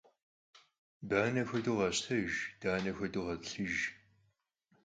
Bane xuedeu kheştejj, dane xuedeu ğet'ılhıjj.